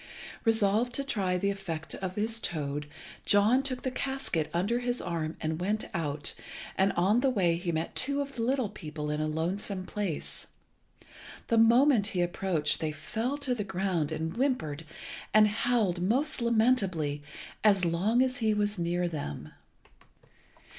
Resolved to try the effect of his toad, John took the casket under his arm and went out, and on the way he met two of the little people in a lonesome place. The moment he approached they fell to the ground, and whimpered and howled most lamentably as long as he was near them.